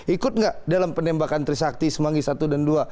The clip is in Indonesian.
ikut nggak dalam penembakan trisakti semanggi satu dan dua